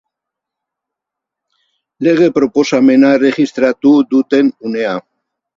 Lege-proposamena erregistratu duten unea.